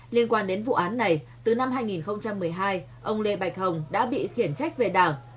liên quan đến vụ án này từ năm hai nghìn một mươi hai ông lê bạch hồng đã bị khiển trách về đảng